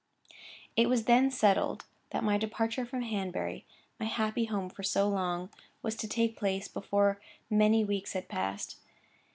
It was then settled that my departure from Hanbury, my happy home for so long, was to take place before many weeks had passed.